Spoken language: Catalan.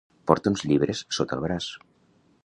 Porta uns llibres sota el braç.